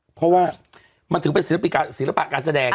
เพราะว่ามันถึงเป็นศิลปะศิลปะการแสดง